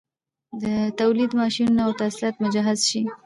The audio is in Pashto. د تولید ماشینونه او تاسیسات مجهز شي